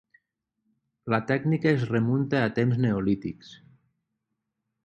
La tècnica es remunta a temps neolítics.